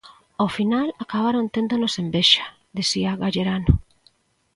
"Ao final acabaron téndonos envexa", dicía Gallerano.